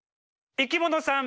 「生きものさん」。